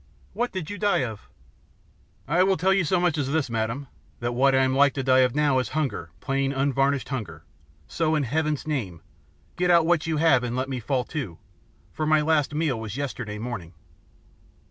What did you die of?" "I will tell you so much as this, madam that what I am like to die of now is hunger, plain, unvarnished hunger, so, in Heaven's name, get out what you have and let me fall to, for my last meal was yesterday morning."